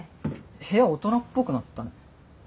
部屋大人っぽくなったね。